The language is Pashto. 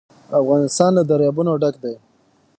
افغانستان له دریابونه ډک دی.